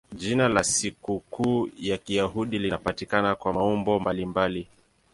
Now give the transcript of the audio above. Jina la sikukuu ya Kiyahudi linapatikana kwa maumbo mbalimbali.